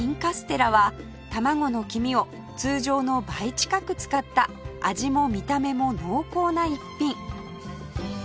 てらは卵の黄身を通常の倍近く使った味も見た目も濃厚な逸品